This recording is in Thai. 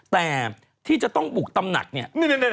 แต่ที่จะต้องบุกตำหนักเนี่ย